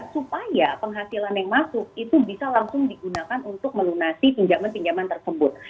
supaya penghasilan yang masuk itu bisa langsung digunakan untuk melunasi pinjaman pinjaman tersebut